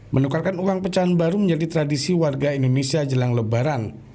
menukarkan uang pecahan baru menjadi tradisi warga indonesia jelang lebaran